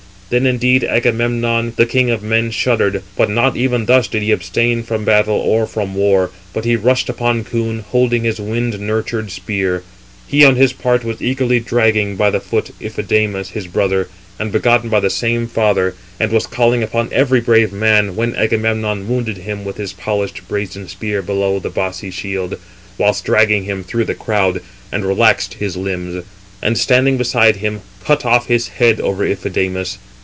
Then indeed Agamemnon, the king of men, shuddered; but not even thus did he abstain from battle or from war, but he rushed upon Coon, holding his wind nurtured spear. 372 He on his part was eagerly dragging by the foot Iphidamas his brother, and begotten by the same father, and was calling upon every brave man, when [Agamemnon] wounded him with his polished brazen spear below the bossy shield, whilst dragging him through the crowd, and relaxed his limbs; and, standing beside him, cut off his head over Iphidamas.